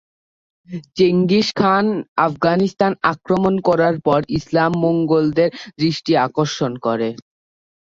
Genghis Khan Afghanistan আক্রমণ করার পর ইসলাম মঙ্গোলদের দৃষ্টি আকর্ষণ করে।